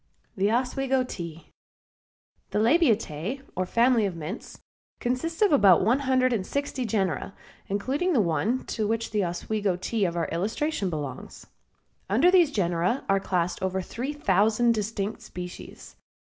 THE OSWEGO TEA. The Labiatae, or family of mints, consists of about one hundred and sixty genera, including the one to which the Oswego Tea of our illustration belongs. Under these genera are classed over three thousand distinct species.